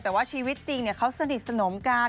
แต่ว่าชีวิตจริงเขาสนิทสนมกัน